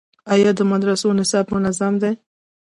آیا د مدرسو نصاب منظم دی؟